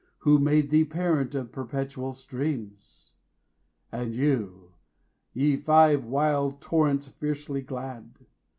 Who made thee parent of perpetual streams? And you, ye five wild torrents fiercely glad!